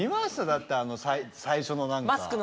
だって最初の何か。